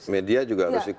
media juga harus ikut